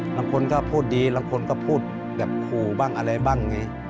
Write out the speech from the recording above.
บางคนก็พูดดีบางคนก็พูดแบบขู่บ้างอะไรบ้าง